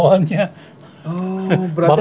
oh berarti ada yang melengkapi ya